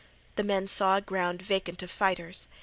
The men saw a ground vacant of fighters.